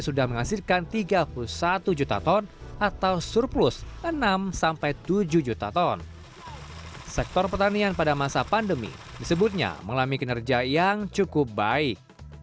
sektor pertanian pada masa pandemi disebutnya mengalami kinerja yang cukup baik